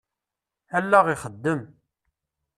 Allaɣ ixeddem.